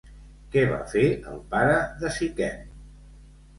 Què va fer el pare de Siquem?